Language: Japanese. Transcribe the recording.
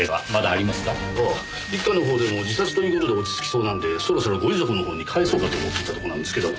ああ一課の方でも自殺という事で落ち着きそうなんでそろそろご遺族の方に返そうかと思っていたところなんですけど。